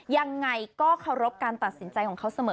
ยังไงก็เคารพการตัดสินใจของเขาเสมอ